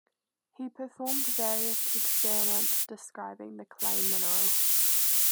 He performed various experiments describing the clay mineral.